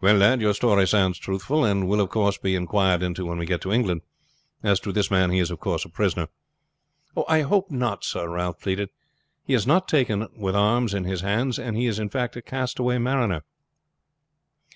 "Well, lad, your story sounds truthful, and will, of course, be inquired into when we get to England. As to this man, he is of course a prisoner." "I hope not, sir," Ralph pleaded. "He has not been taken with arms in his hands, and is, in fact, a castaway mariner."